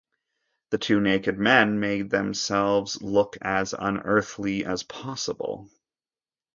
The two naked men made themselves look as unearthly as possible.